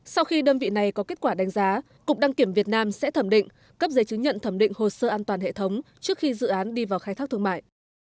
sau khi đơn vị này có kết quả đánh giá cục đăng kiểm việt nam sẽ thẩm định cấp giấy chứng nhận thẩm định hồ sơ an toàn hệ thống trước khi dự án đi vào khai thác thương mại